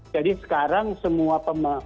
jadi sekarang semua pemerintah mewajibkan pcr